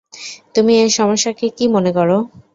তুমি এ সমস্যাকে কী মনে কর?